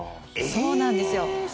そうなんですよ。